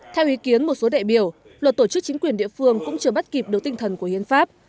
theo ý kiến một số đại biểu luật tổ chức chính quyền địa phương cũng chưa bắt kịp được tinh thần của hiến pháp